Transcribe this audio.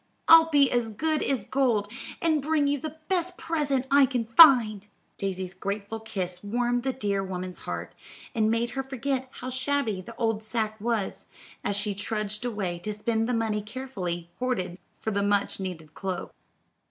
I'll be as good as gold, and bring you the best present I can find." Daisy's grateful kiss warmed the dear woman's heart, and made her forget how shabby the old sack was, as she trudged away to spend the money carefully hoarded for the much needed cloak.